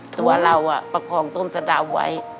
ตัวเราประคองต้นสะดาวไว้